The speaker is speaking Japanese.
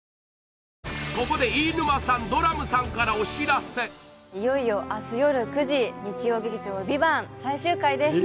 ここでいよいよ明日夜９時日曜劇場「ＶＩＶＡＮＴ」最終回です